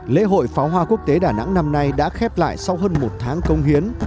lễ hội pháo hoa quốc tế đà nẵng năm nay đã khép lại sau hơn một tháng công hiến